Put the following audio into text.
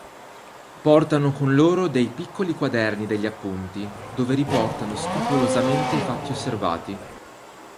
Portano con loro dei piccoli quaderni degli appunti, dove riportano scrupolosamente i fatti osservati.